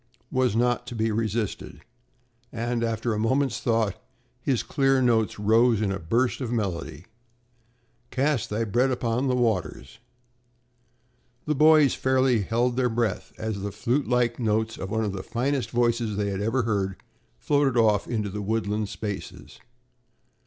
was not to be resisted and after a moment's thought his clear notes rose in a burst of melody: "Cast thy bread upon the waters" The boys fairly held their breath as the flutelike notes of one of the finest voices they had ever heard, floated off into the woodland spaces.